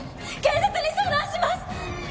警察に相談します！